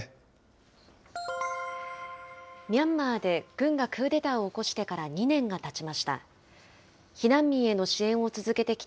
ミャンマーで軍がクーデターを起こしてから２年がたちました。